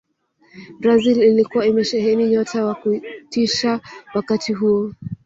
brazil ilikuwa imesheheni nyota wa kutisha wakati huo